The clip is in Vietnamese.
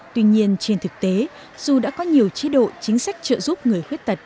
tuy nhiên trên thực tế dù đã có nhiều chế độ chính sách trợ giúp người khuyết tật